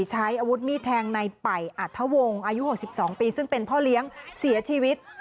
ใช้อาวุธมีดแทงในป่ายอัธวงศ์อายุ๖๒ปีซึ่งเป็นพ่อเลี้ยงเสียชีวิต